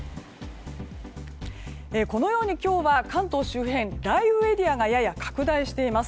このように今日は、関東周辺雷雨エリアがやや拡大しています。